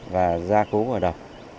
và gia cố và đập